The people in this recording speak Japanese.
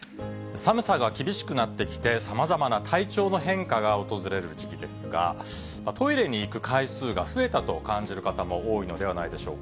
寒さが厳しくなってきて、さまざまな体調の変化が訪れる時期ですが、トイレに行く回数が増えたと感じる方も多いのではないでしょうか。